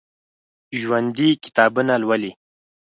ژوندي کتابونه لولي